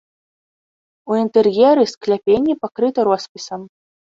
У інтэр'еры скляпенні пакрыты роспісам.